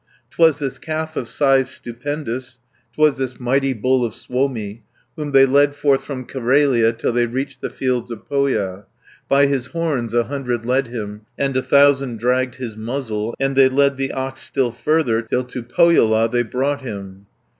'Twas this calf of size stupendous, 'Twas this mighty bull of Suomi, Whom they led forth from Carelia Till they reached the fields of Pohja. By his horns, a hundred led him, And a thousand dragged his muzzle, 40 And they led the ox still further, Till to Pohjola they brought him.